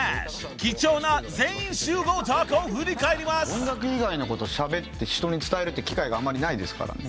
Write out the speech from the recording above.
音楽以外のことしゃべって人に伝えるって機会があんまりないですからね。